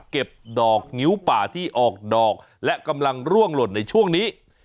ดอกงิ้วป่าที่ออกดอกและกำลังร่วงหล่นในช่วงนี้